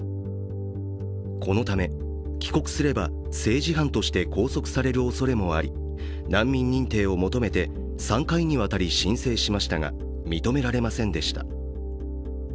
このため帰国すれば政治犯として拘束されるおそれもあり、難民認定を求めて３回にわたり申請しましたが認められませんでした。